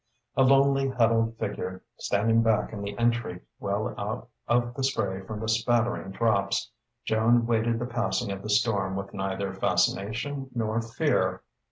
A lonely, huddled figure, standing back in the entry, well out of the spray from the spattering drops, Joan waited the passing of the storm with neither fascination nor fear.